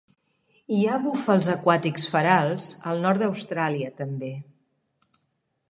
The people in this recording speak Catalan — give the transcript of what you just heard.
Hi ha búfals aquàtics ferals al nord d'Austràlia també.